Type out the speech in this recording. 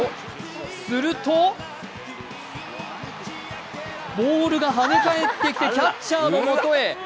すると、ボールがはね返ってきてキャッチャーのもとへ。